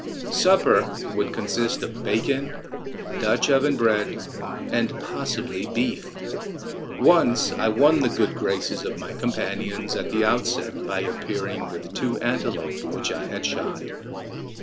Supper would consist of bacon, Dutch oven bread, and possibly beef; once I won the good graces of my companions at the outset by appearing with two antelope which I had shot.